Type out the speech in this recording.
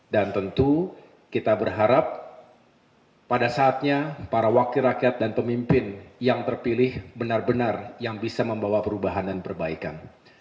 dan tentu kita berharap pada saatnya para wakil rakyat dan pemimpin yang terpilih benar benar yang bisa membawa perubahan dan perbaikan